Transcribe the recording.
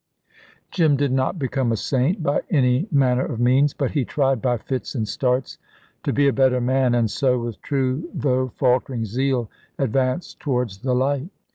Jim did not become a saint by any manner of means, but he tried by fits and starts to be a better man, and so, with true though faltering zeal, advanced towards the light.